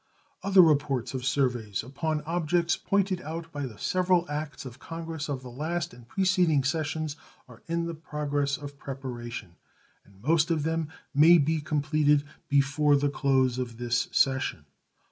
Other reports of surveys upon objects pointed out by the several acts of Congress of the last and preceding sessions are in the progress of preparation, and most of them may be completed before the close of this session.